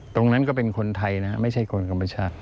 ตรงนั้นก็เป็นคนไทยนะไม่ใช่คนกัมพูชา